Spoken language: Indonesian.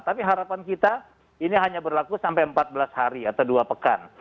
tapi harapan kita ini hanya berlaku sampai empat belas hari atau dua pekan